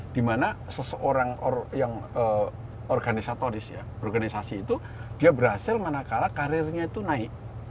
dimana seseorang yang organisatoris ya organisasi itu dia berhasil manakala karirnya itu naik